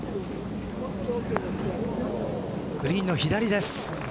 グリーンの左です。